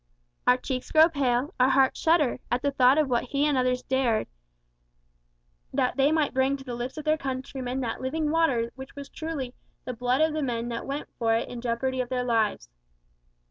Our cheeks grow pale, our hearts shudder, at the thought of what he and others dared, that they might bring to the lips of their countrymen that living water which was truly "the blood of the men that went for it in jeopardy of their lives."